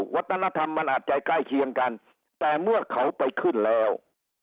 วัฒนธรรมมันอาจจะใกล้เคียงกันแต่เมื่อเขาไปขึ้นแล้ว